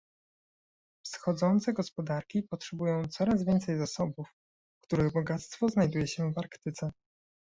Wschodzące gospodarki potrzebują coraz więcej zasobów, których bogactwo znajduje się w Arktyce